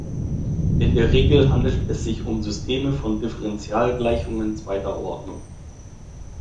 In der Regel handelt es sich um Systeme von Differentialgleichungen zweiter Ordnung.